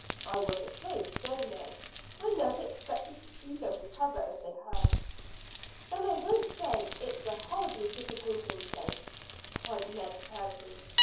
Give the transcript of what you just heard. "I was afraid so, Ned. I never expected to see them recover as they have." "Then I won't say it's a horribly disappointing place," cried Ned, proudly.